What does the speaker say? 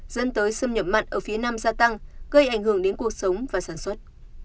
dẫn tới xâm nhập mặn ở phía nam gia tăng gây ảnh hưởng đến cuộc sống và sản xuất